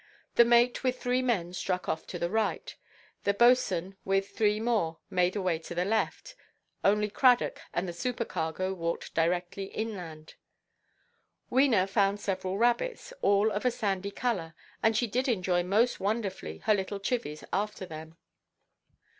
The mate with three men struck off to the right, the boatswain with three more made away to the left, only Cradock and the supercargo walked directly inland. Wena found several rabbits, all of a sandy colour, and she did enjoy most wonderfully her little chivies after them.